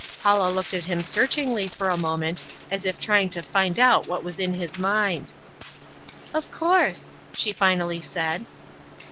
Paula looked at him searchingly for a moment, as if trying to find out what was in his mind. "Of course!" she finally said.